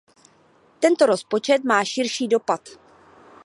Tento rozpočet má širší dopad.